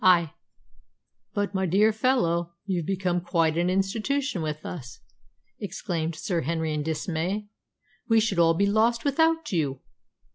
I " "But, my dear fellow, you've become quite an institution with us!" exclaimed Sir Henry in dismay. "We should all be lost without you.